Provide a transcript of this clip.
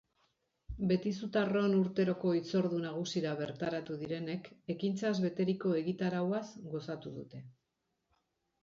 Betizutarron urteroko hitzordu nagusira bertaratu direnek ekintzaz beteriko egitarauaz gozatu dute.